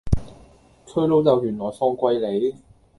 佢老豆原來放貴利